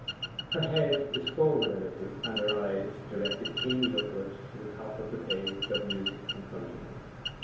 Her head is forward a little, and her eyes directed keenly upward to the top of the page of music confronting her.